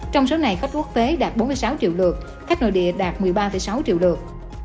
trong số này khách quốc tế đạt bốn mươi sáu triệu lượt khách nội địa đạt một mươi ba sáu triệu lượt